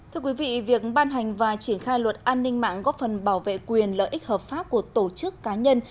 thưa quý vị việc ban hành và triển khai luật an ninh mạng góp phần bảo vệ quyền lợi ích hợp pháp của tổ chức cá nhân